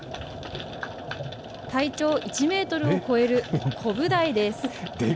体長１メートルを超えるコブダイです。